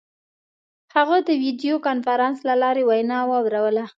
هغه د ویډیو کنفرانس له لارې وینا واوروله.